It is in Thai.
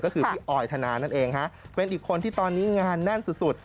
ก็คือพี่ออยธนานั่นเองฮะเป็นอีกคนที่ตอนนี้งานแน่นสุด